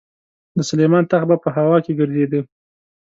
د سلیمان تخت به په هوا کې ګرځېده.